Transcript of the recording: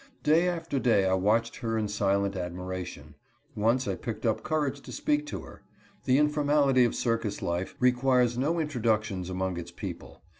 Day after day I watched her in silent admiration. Once I picked up courage to speak to her. The informality of circus life requires no introductions among its people.